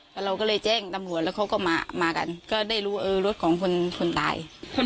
ผู้หญิงเป็นคนขับแล้วคนตาย